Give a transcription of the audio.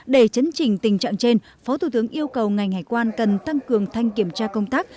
để chấn trình tình trạng trên phó thủ tướng yêu cầu ngành hải quan cần tăng cường thanh kiểm tra công tác